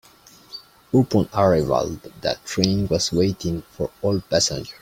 Upon arrival, the train was waiting for all passengers.